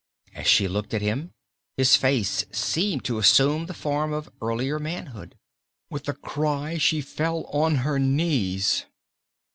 As she looked at him his face seemed to assume the form of earlier manhood. With a cry she fell on her knees.